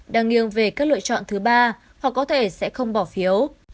đang nghiêng về các lựa chọn thứ ba hoặc có thể sẽ không bỏ phiếu